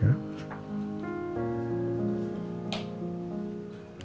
ya udah jar